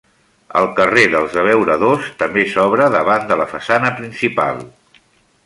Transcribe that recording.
El carrer dels Abeuradors també s'obre davant de la façana principal.